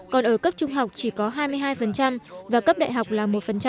còn ở cấp trung học chỉ có hai mươi hai và cấp đại học là một